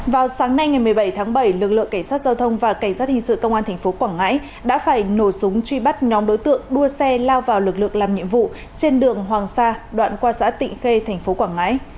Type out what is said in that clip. vào sáng nay ngày một mươi bảy tháng bảy lực lượng cảnh sát giao thông và cảnh sát hình sự công an tp quảng ngãi đã phải nổ súng truy bắt nhóm đối tượng đua xe lao vào lực lượng làm nhiệm vụ trên đường hoàng sa đoạn qua xã tịnh khê tp quảng ngãi